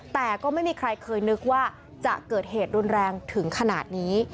แต่ก็ไม่มีใครเคยนึกว่าจะเกิดเหตุรุนแรงถึงขนาดนี้